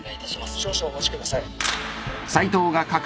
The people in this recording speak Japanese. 少々お待ちください